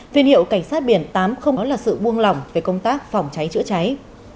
phiên hiệu cảnh sát biển tám là sự buông lỏng về công tác phòng cháy chữa cháy